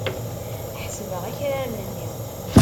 Ḥesbeɣ akraren-nni.